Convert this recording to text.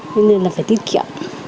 thế nên là phải tiết kiệm